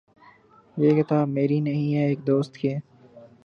یہ کتاب میری نہیں ہے۔ ایک دوست کی ہے